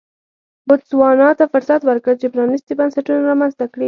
بوتسوانا ته فرصت ورکړ چې پرانیستي بنسټونه رامنځته کړي.